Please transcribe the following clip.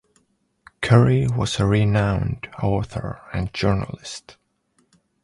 Curie was a renowned author and journalist.